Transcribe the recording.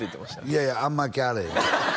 いやいやあんま来はらへん